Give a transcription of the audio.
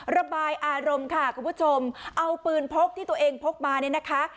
ระบายอารมณ์ค่ะคุณผู้ชมเอาปืนพกที่ตัวเองพกมาเนี่ยนะคะ